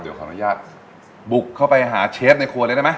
เดี๋ยวขออนุญาตบุกเข้าไปหาเชฟในครัวเลยได้ไหม